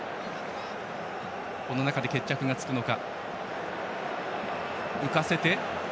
この中で決着がつくのか。